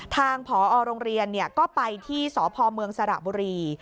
ทางผอโรงเรียนก็ไปที่สพเมืองสระบุรี